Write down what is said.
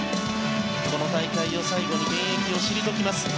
この大会を最後に現役を退きます。